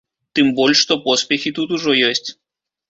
Тым больш, што поспехі тут ужо ёсць.